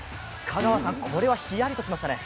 香川さん、これはヒヤリとしましたね。